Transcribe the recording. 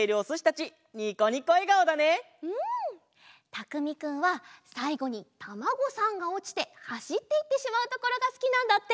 たくみくんはさいごにタマゴさんがおちてはしっていってしまうところがすきなんだって！